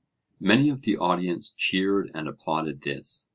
Many of the audience cheered and applauded this.